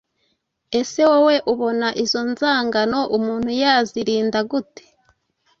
Ese wowe ubona izo nzangano umuntu yazirinda gute?